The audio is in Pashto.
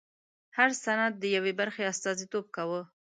هر سند د یوې برخې استازیتوب کاوه.